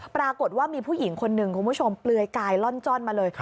ปรากฏว่ามีผู้หญิงคนหนึ่งคุณผู้ชมเปลือยกายล่อนจ้อนมาเลย